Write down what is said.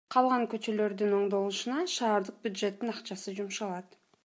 Калган көчөлөрдүн оңдолушуна шаардык бюджеттин акчасы жумшалат.